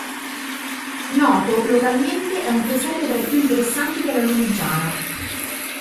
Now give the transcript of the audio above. Noto localmente è un presepio tra i più interessanti della Lunigiana.